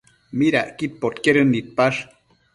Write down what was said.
¿Midacquid podquedën nidpash?